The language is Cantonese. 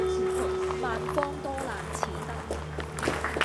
萬方多難此登臨。